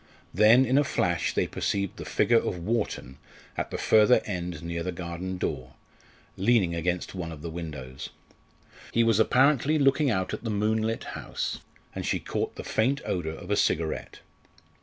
Then in a flash they perceived the figure of Wharton at the further end near the garden door, leaning against one of the windows. He was apparently looking out at the moonlit house, and she caught the faint odour of a cigarette.